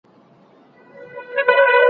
که موږ سره یو سو هیڅ قدرت مو نه سي زبېښلای.